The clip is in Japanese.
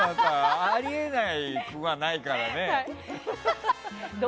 あり得なくはないからね。